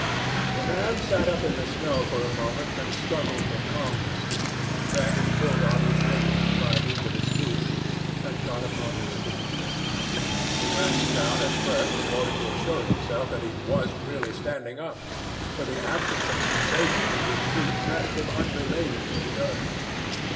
The man sat up in the snow for a moment and struggled for calmness. Then he pulled on his mittens, by means of his teeth, and got upon his feet. He glanced down at first in order to assure himself that he was really standing up, for the absence of sensation in his feet left him unrelated to the earth.